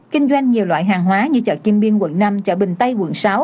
kinh doanh nhiều loại hàng hóa như chợ kim biên quận năm chợ bình tây quận sáu